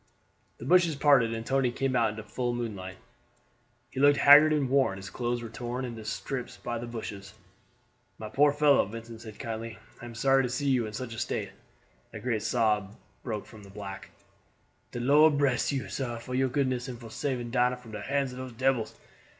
The bushes parted and Tony came out into the full moonlight. He looked haggard and worn; his clothes were torn into strips by the bushes. "My poor fellow," Vincent said kindly, "I am sorry to see you in such a state." A great sob broke from the black "De Lord bress you, sah, for your goodness and for saving Dinah from de hands of dose debils!